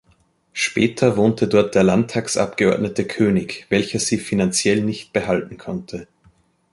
Später wohnte dort der Landtagsabgeordnete König, welcher sie „finanziell nicht behalten konnte“.